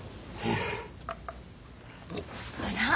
あら？